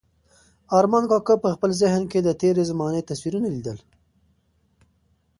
ارمان کاکا په خپل ذهن کې د تېرې زمانې تصویرونه لیدل.